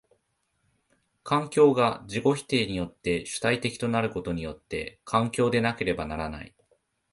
環境が自己否定によって主体的となることによって環境でなければならない。